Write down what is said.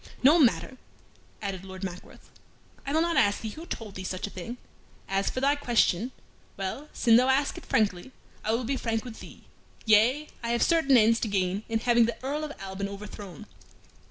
"No matter," added Lord Mackworth. "I will not ask thee who told thee such a thing. As for thy question well, sin thou ask it frankly, I will be frank with thee. Yea, I have certain ends to gain in having the Earl of Alban overthrown."